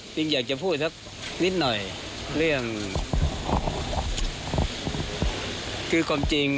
กลับหาและทำผิดชอบก่อนอภาษาไทย